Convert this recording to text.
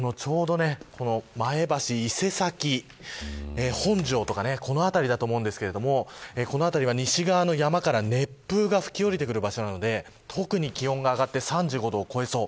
前橋、伊勢崎本庄とか、この辺りだと思うんですけどこの辺りは西側の山から熱風が吹き降りてくる場所なので特に気温が上がって３５度を超えそう。